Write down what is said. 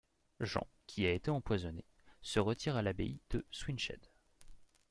Jean, qui a été empoisonné, se retire à l’abbaye de Swineshead.